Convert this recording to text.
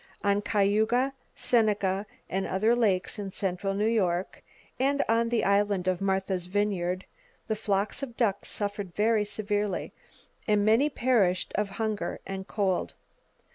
On Cayuga, Seneca and other lakes in central New York, and on the island of Martha's Vineyard, the flocks of ducks suffered very severely, and many [Page 93] perished of hunger and cold.